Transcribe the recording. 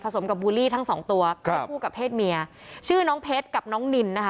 สมกับบูลลี่ทั้งสองตัวครับคู่กับเพศเมียชื่อน้องเพชรกับน้องนินนะคะ